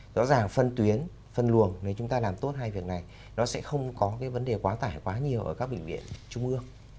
rõ ràng phân tuyến phân luồng nếu chúng ta làm tốt hai việc này nó sẽ không có cái vấn đề quá tải quá nhiều ở các bệnh viện trung ương